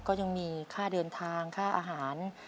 ก็ยังมีค่าเดินทางค่าอาหาร